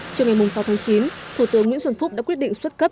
chiều ngày sáu tháng chín thủ tướng nguyễn xuân phúc đã quyết định xuất cấp